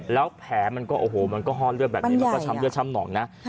แล้วแผลมันก็โอ้โหมันก็ห้อเลือดแบบนี้มันก็ช้ำเลือช้ำหนองนะ